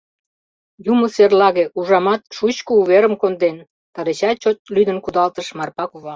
«Юмо серлаге, ужамат, шучко уверым конден, — тылечат чот лӱдын кудалтыш Марпа кува.